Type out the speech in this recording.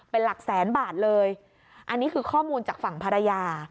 เป็นหลักแสนบาทเลยอันนี้คือข้อมูลจากฝั่งภรรยา